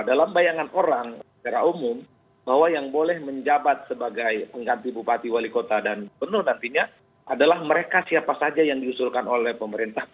dalam bayangan orang secara umum bahwa yang boleh menjabat sebagai pengganti bupati wali kota dan penuh nantinya adalah mereka siapa saja yang diusulkan oleh pemerintah